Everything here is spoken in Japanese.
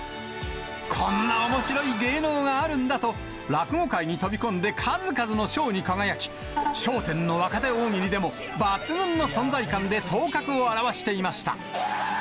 こんなおもしろい芸能があるんだと、落語界に飛び込んで、数々の賞に輝き、笑点の若手大喜利でも、抜群の存在感で頭角を現していました。